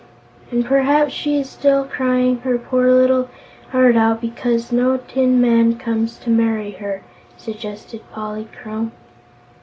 "And perhaps she is still crying her poor little heart out because no tin man comes to marry her," suggested Polychrome.